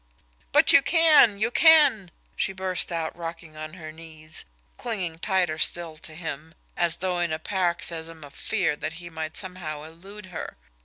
"But you can you can!" she burst out, rocking on her knees, clinging tighter still to him, as though in a paroxysm of fear that he might somehow elude her.